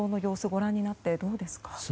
ご覧になってどうですか？